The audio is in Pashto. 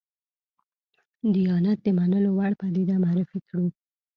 دیانت د منلو وړ پدیده معرفي کړو.